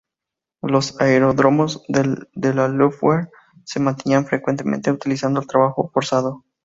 Los aeródromos de la Luftwaffe se mantenían frecuentemente utilizando el trabajo forzado.